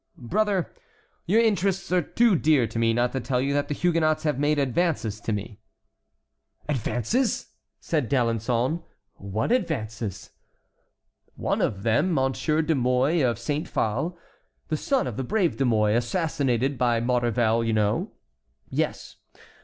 "Brother, your interests are too dear to me not to tell you that the Huguenots have made advances to me." "Advances!" said D'Alençon. "What advances?" "One of them, Monsieur de Mouy of Saint Phal, the son of the brave De Mouy, assassinated by Maurevel, you know"— "Yes."